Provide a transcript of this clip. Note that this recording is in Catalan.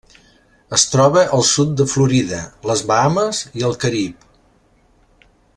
Es troba al sud de Florida, les Bahames i el Carib.